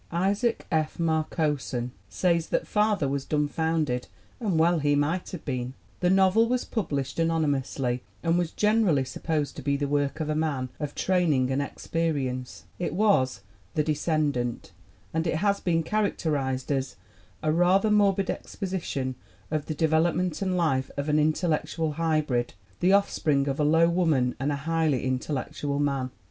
Isaac F. Marcosson says that Father was dumb founded, and well he might have been. The novel was published anonymously and was generally sup posed to be the work of a man of training and ex perience. It was The Descendant, and it has been characterized as "a rather morbid exposition of the development and life of an intellectual hybrid, the off spring of a low woman and a highly intellectual man."